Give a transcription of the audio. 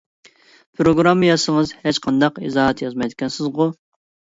پىروگرامما يازسىڭىز ھېچقانداق ئىزاھات يازمايدىكەنسىزغۇ!